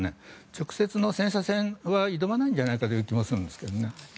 直接の戦車戦は挑まないのではという気もするんですがね。